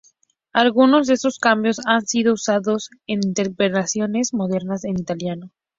Algunos de estos cambios han sido usados en interpretaciones modernas en italiano.